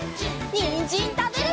にんじんたべるよ！